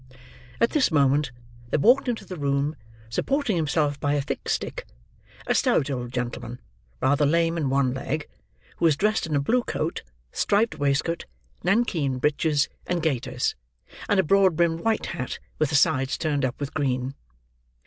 At this moment, there walked into the room: supporting himself by a thick stick: a stout old gentleman, rather lame in one leg, who was dressed in a blue coat, striped waistcoat, nankeen breeches and gaiters, and a broad brimmed white hat, with the sides turned up with green.